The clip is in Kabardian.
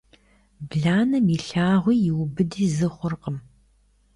Бланэм и лъагъуи и убыди зы хъуркъым.